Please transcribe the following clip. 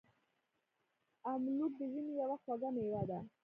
املوک د ژمي یوه خوږه میوه ده.